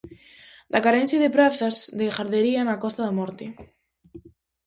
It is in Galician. Da carencia de prazas de gardería na Costa da Morte.